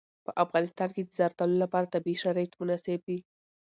په افغانستان کې د زردالو لپاره طبیعي شرایط مناسب دي.